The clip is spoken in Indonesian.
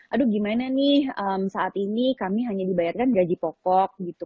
aduh gimana nih saat ini kami hanya dibayarkan gaji pokok gitu